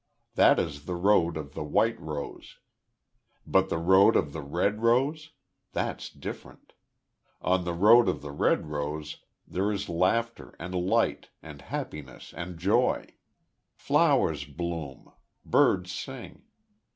That is the road of the White Rose. But the Road of the Red Rose! That's different! On the Road of the Red Rose there is laughter and light, and happiness and joy! Flowers bloom; birds sing.